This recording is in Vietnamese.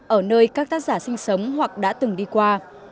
ở nơi các tác giả sinh sống hoặc đã từng đi qua